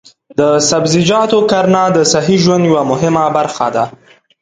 د سبزیجاتو کرنه د صحي ژوند یوه مهمه برخه ده.